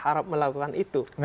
apakah arab melakukan itu